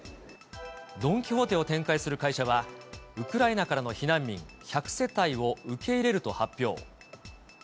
ドン・キホーテを展開する会社は、会社は、ウクライナからの避難民１００世帯を受け入れると発表。